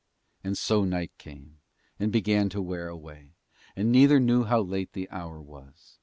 And so night came, and began to wear away, and neither knew how late the hour was.